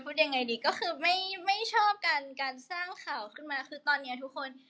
ยังไงดีก็คือไม่ชอบกันการสร้างข่าวขึ้นมาคือตอนนี้ทุกคน